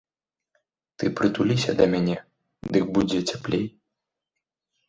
Ты прытуліся да мяне, дык будзе цяплей.